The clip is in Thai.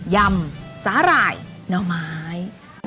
ยำสาหร่ายน้ำไม้